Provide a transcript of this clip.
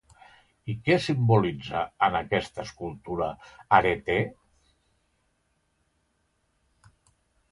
I què simbolitza, en aquesta escultura, Areté?